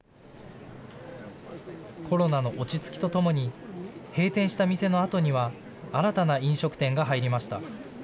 コロナの落ち着きとともに閉店した店のあとには新たな飲食店が入りました。